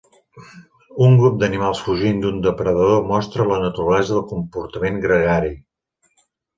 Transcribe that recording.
Un grup d'animals fugint d'un depredador mostra la naturalesa del comportament gregari.